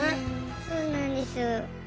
そうなんです。